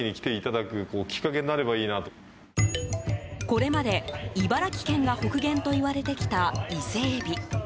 これまで、茨城県が北限といわれてきたイセエビ。